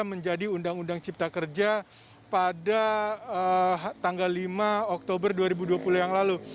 menjadi undang undang cipta kerja pada tanggal lima oktober dua ribu dua puluh yang lalu